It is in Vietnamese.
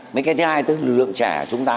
mấy cái thứ hai là lượng trẻ của chúng ta